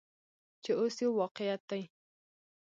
چې اوس یو واقعیت دی.